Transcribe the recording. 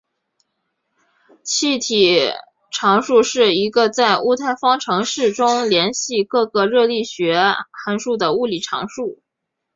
气体常数是一个在物态方程式中连系各个热力学函数的物理常数。